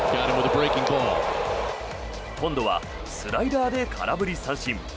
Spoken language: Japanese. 今度はスライダーで空振り三振。